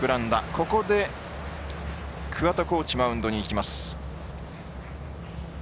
ここで桑田コーチがマウンドに行きます。